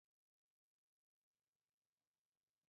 منیر هزاروي صیب هرکلي ته راغلي ول.